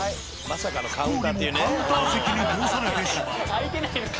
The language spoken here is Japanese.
不幸にもカウンター席に通されてしまう。